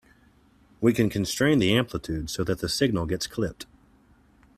We can constrain the amplitude so that the signal gets clipped.